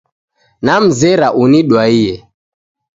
Namzera unidwaye